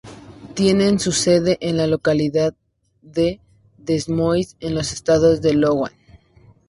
Tienen su sede en la localidad de Des Moines, en el estado de Iowa.